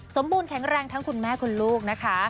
บูรณแข็งแรงทั้งคุณแม่คุณลูกนะคะ